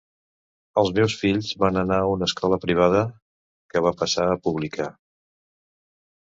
Els meus fills van anar a una escola privada que va passar a pública.